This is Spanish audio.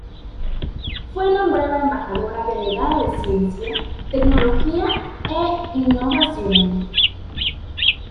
Fue nombrada Embajadora Delegada de Ciencia, Tecnología e Innovación.